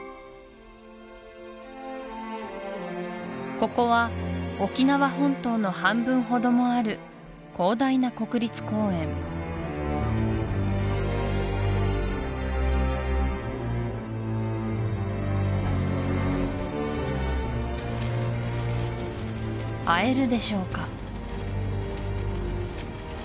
ここは沖縄本島の半分ほどもある広大な国立公園会えるでしょうか